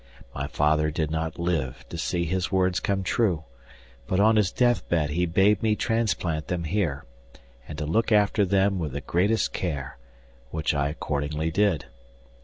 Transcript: My father did not live to see his words come true; but on his death bed he bade me transplant them here, and to look after them with the greatest care, which I accordingly did.